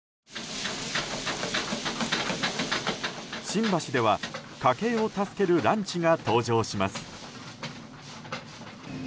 新橋では家計を助けるランチが登場します。